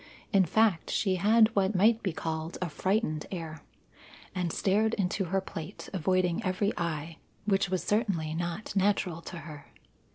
In fact, she had what might be called a frightened air, and stared into her plate, avoiding every eye, which was certainly not natural to her.